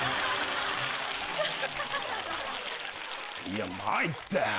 いやまいったよ